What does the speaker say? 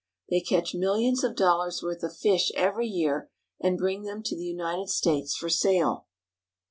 They catch millions of dollars' worth of fish every year, and bring them to the United States for sale.